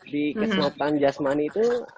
di keselatan jasmani itu